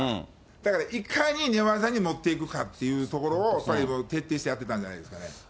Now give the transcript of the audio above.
だからいかに寝技に持っていくかというところを、最後、徹底してやってたんじゃないですかね。